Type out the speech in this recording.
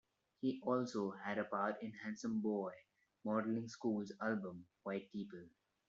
He also had a part in Handsome Boy Modeling School's album "White People".